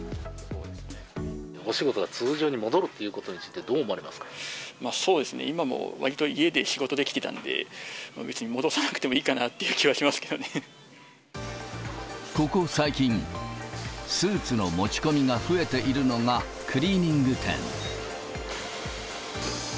お仕事が通常に戻るってことそうですね、今もわりと家で仕事できてたんで、別に戻さなくてもいいかなっていここ最近、スーツの持ち込みが増えているのがクリーニング店。